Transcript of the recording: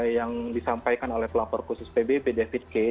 yang disampaikan oleh pelapor khusus pbb david kain